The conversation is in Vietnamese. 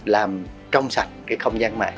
làm trong sạch cái không gian mạng